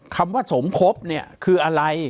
คำว่าสมคบเนี่ยคืออะไร